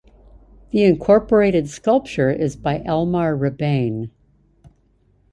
The incorporated sculpture is by Elmar Rebane.